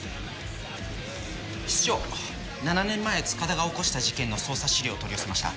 室長７年前塚田が起こした事件の捜査資料を取り寄せました。